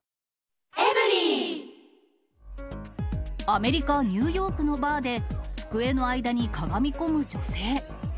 アメリカ・ニューヨークのバーで、机の間にかがみ込む女性。